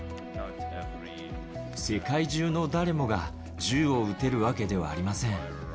世界中の誰もが銃を撃てるわけではありません。